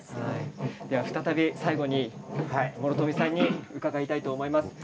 再び最後に諸冨さんに伺いたいと思います。